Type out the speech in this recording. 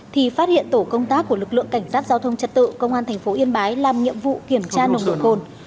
thì phát hiện tổ công tác của lực lượng cảnh sát giao thông trật tự công an thành phố yên bái làm nhiệm vụ kiểm tra nồng độ cồn